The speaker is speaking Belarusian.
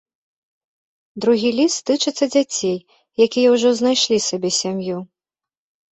Другі ліст тычыцца дзяцей, якія ўжо знайшлі сабе сям'ю.